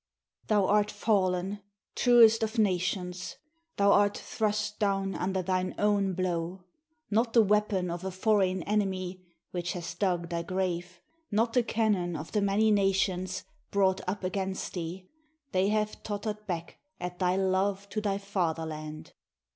] Thou art fallen, truest of nations! Thou art thrust down under thine own blow! not the weapon of a foreign enemy, which has dug thy grave; not the cannon of the many nations, brought up against thee — they have tottered back at thy Love to thy Fatherland!